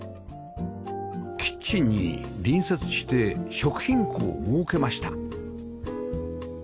キッチンに隣接して食品庫を設けました